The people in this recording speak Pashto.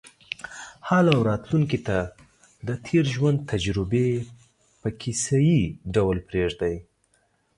حال او راتلونکې ته د تېر ژوند تجربې په کیسه یې ډول پرېږدي.